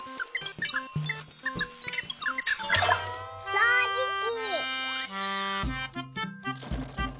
そうじき。